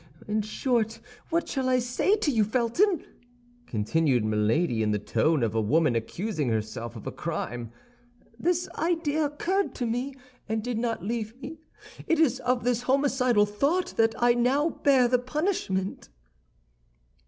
In short, what shall I say to you, Felton?" continued Milady, in the tone of a woman accusing herself of a crime. "This idea occurred to me, and did not leave me; it is of this homicidal thought that I now bear the punishment."